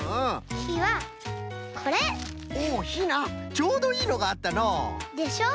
ちょうどいいのがあったのう！でしょう？